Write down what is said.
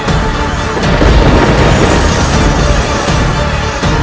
saya harus mempeluh orang premium